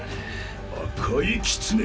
赤いキツネ？